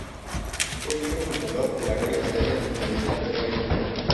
Fue miembro fundador de la Real Academia de Ingeniería del Reino Unido.